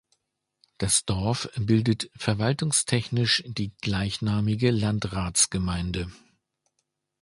Das Dorf bildet verwaltungstechnisch die gleichnamige Landratsgemeinde.